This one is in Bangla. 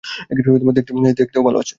দেখতেও ভালো আছ।